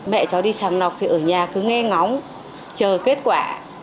mẹ cháu đi sàng lọc thì ở nhà cứ nghe ngóng chờ kết quả